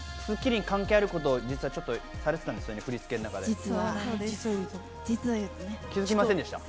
『スッキリ』に関係あることを実はちょっとされてたんですよね、振り付けで。